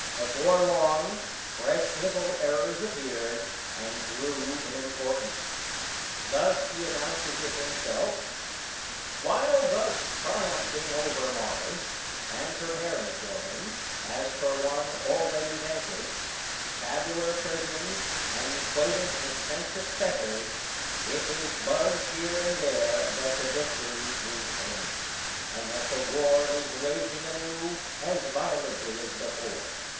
Before long fresh little errors appeared, and grew in importance. Thus he announces it himself: "While thus triumphing over Mars, and preparing for him, as for one already vanquished, tabular prisons and equated excentric fetters, it is buzzed here and there that the victory is vain, and that the war is raging anew as violently as before.